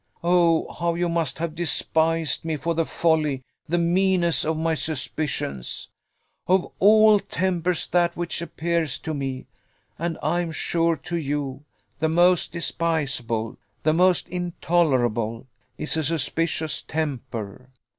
Oh, how you must have despised me for the folly, the meanness of my suspicions! Of all tempers that which appears to me, and I am sure to you, the most despicable, the most intolerable, is a suspicious temper.